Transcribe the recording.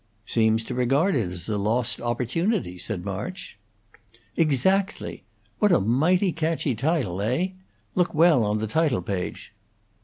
"Seems to regard it as a lost opportunity?" said March. "Exactly! What a mighty catchy title, Neigh? Look well on the title page."